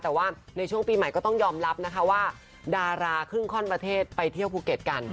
แต่ว่าในช่วงปีใหม่ก็ต้องยอมรับนะคะว่าดาราครึ่งข้อนประเทศไปเที่ยวภูเก็ตกัน